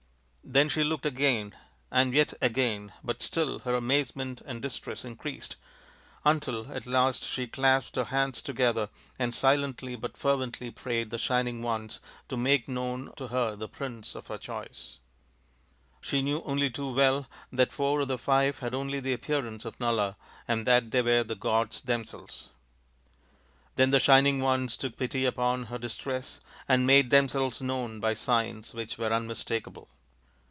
" Then she looked again and yet again, but still her amazement and distress increased, until at last she clasped her hands together and silently but fervently prayed the Shining Ones to make known to her the prince of her choice. She knew only too well that four of the five had only the appearance of Nala and that they were the gods themselves. Then the Shining Ones took pity upon her dis tress and made themselves known by signs which were unmistakable.